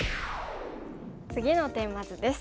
次のテーマ図です。